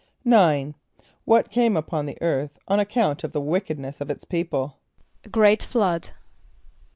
= =9.= What came upon the earth on account of the wickedness of its people? =A great flood.